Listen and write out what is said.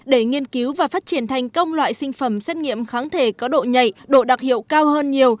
để nghiên cứu và phát triển thành công loại sinh phẩm xét nghiệm kháng thể có độ nhảy độ đặc hiệu cao hơn nhiều